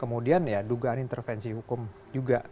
kemudian ya dugaan intervensi hukum juga